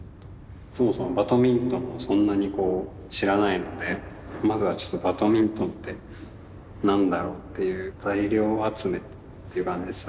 そもそもバドミントンもそんなにこう知らないのでまずはちょっとバドミントンって何だろうっていう材料集めっていう感じです